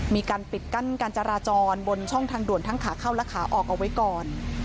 มีการปิดกั้นการจราจรบนช่องทางด่วนทั้งขาเข้าและขาออกเอาไว้ก่อน